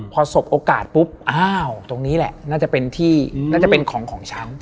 พอสบโอกาสปุ๊บอ้าวตรงนี้แหละน่าจะเป็นของของฉัน